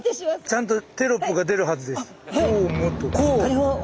ちゃんとテロップが出るはずです。